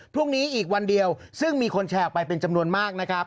พรุ่งนี้อีกวันเดียวซึ่งมีคนแชร์ออกไปเป็นจำนวนมากนะครับ